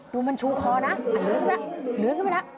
ดูมันชูคอนะเลือยขึ้นไปนะ